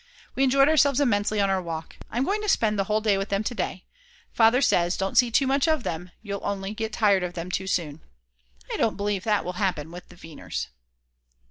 We enjoyed ourselves immensely on our walk. I'm going to spend the whole day with them to day. Father says: "Don't see too much of them; you'll only get tired of them too soon." I don't believe that will happen with the Weiners.